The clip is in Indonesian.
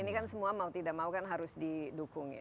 ini kan semua mau tidak mau harus didukungin